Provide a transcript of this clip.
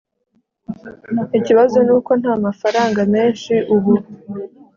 Ikibazo nuko ntamafaranga menshi ubu